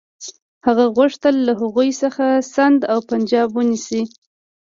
هغه غوښتل له هغوی څخه سند او پنجاب ونیسي.